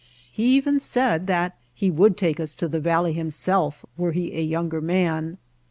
He even said that he would take us to the valley himself were he a younger man.